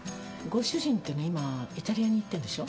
ご主人てのは今イタリアに行ってるんでしょ？